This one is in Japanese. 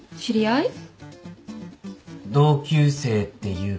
同級生っていうか。